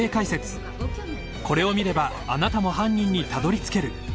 ［これを見ればあなたも犯人にたどりつける］